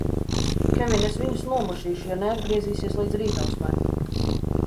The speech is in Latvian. Kevin, es viņus nomušīšu, ja neatgriezīsies līdz rītausmai!